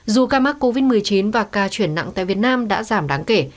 dù ca mắc covid một mươi chín và ca chuyển nặng tại việt nam đã giảm đáng kể